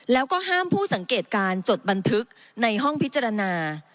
แล้วก็ห้ามผู้สังเกตการจดบันทึกในห้องพิจารณา